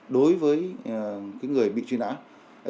đối với người bị truy nã